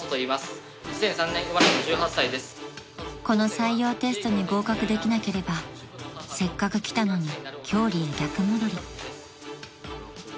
［この採用テストに合格できなければせっかく来たのに郷里へ逆戻り］